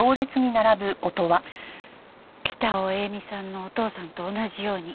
北尾映見さんのお父さんと同じように。